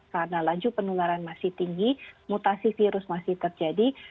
karena laju penularan masih tinggi mutasi virus masih terjadi